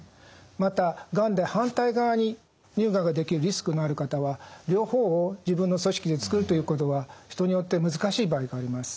またがんで反対側に乳がんができるリスクのある方は両方を自分の組織で作るということは人によって難しい場合があります。